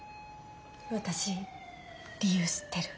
私理由知ってる。